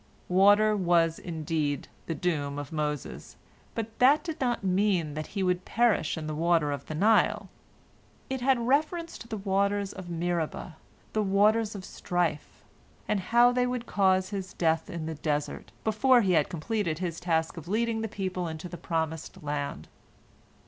Water was, indeed, the doom of Moses, but that did not mean that he would perish in the waters of the Nile. It had reference to the waters of Meribah, the waters of strife, and how they would cause his death in the desert, before he had completed his task of leading the people into the promised land.